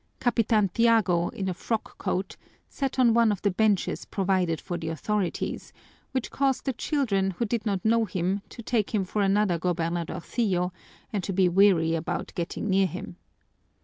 Capitan Tiago, in a frock coat, sat on one of the benches provided for the authorities, which caused the children who did not know him to take him for another gobernadorcillo and to be wary about getting near him.